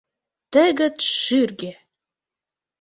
Тегыт шӱргӧ!..